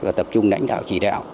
và tập trung đánh đạo chỉ đạo